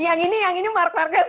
yang ini yang ini mark market